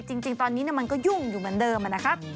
จริงตอนนี้มันก็ยุ่งอยู่เหมือนเดิมนะครับ